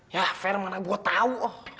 yah fair mana gua tau